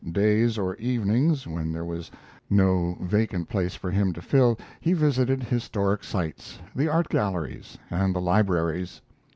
Days or evenings when there was no vacant place for him to fill he visited historic sites, the art galleries, and the libraries.